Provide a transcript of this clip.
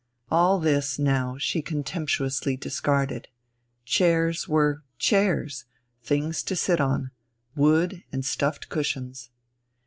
All this, now, she contemptuously discarded. Chairs were chairs, things to sit on, wood and stuffed cushions.